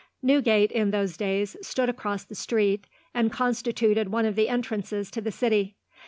Newgate, in those days, stood across the street, and constituted one of the entrances to the city.